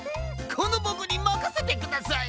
このボクにまかせてください！